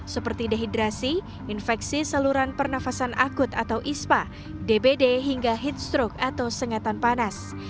seperti dehidrasi infeksi saluran pernafasan akut atau ispa dbd hingga heat stroke atau sengatan panas